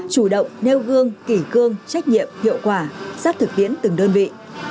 chủ động nêu gương kỷ cương trách nhiệm hiệu quả sát thực tiễn từng đơn vị